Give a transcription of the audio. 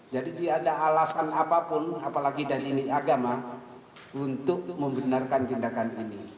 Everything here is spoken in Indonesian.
jadi tidak ada alasan apapun apalagi dari agama untuk membenarkan tindakan ini